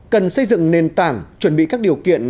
cần xây dựng nền tảng chuẩn bị các điều kiện